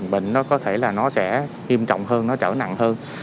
bệnh nó có thể là nó sẽ nghiêm trọng hơn nó trở nặng hơn